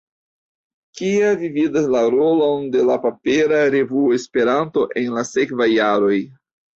Kia vi vidas la rolon de la papera revuo Esperanto en la sekvaj jaroj?